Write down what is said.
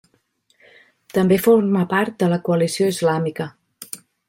També forma part de la Coalició Islàmica.